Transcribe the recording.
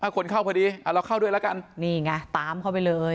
คนเข้าพอดีเราเข้าด้วยแล้วกันนี่ไงตามเข้าไปเลย